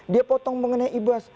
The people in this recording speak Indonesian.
dia potong mengenai ibas